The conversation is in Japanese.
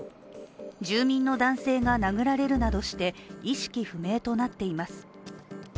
住民の男性が殴られるなどして意識不明となっています。